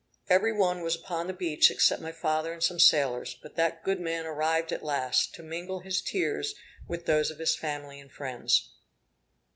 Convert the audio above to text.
Every one was upon the beach except my father and some sailors; but that good man arrived at last, to mingle his tears with those of his family and friends.